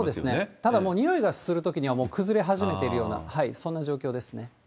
ただ、においがするときにはもう崩れ始めているような、そんな状況ですね。